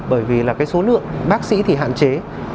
bởi vì là cái số lượng bác sĩ thì hạn chế